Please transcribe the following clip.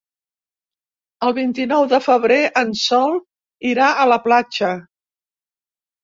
El vint-i-nou de febrer en Sol irà a la platja.